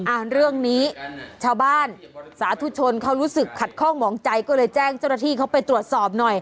อ่าเรื่องนี้ชาวบ้านสาธุชนเขารู้สึกขัดข้องหมองใจก็เลยแจ้งเจ้าหน้าที่เขาไปตรวจสอบหน่อย